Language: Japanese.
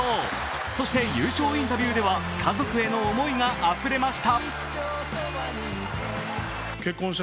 そして優勝インタビューでは家族への思いがあふれました。